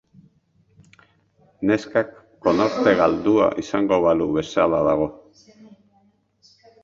Neskak konorte galdua izango balu bezala dago.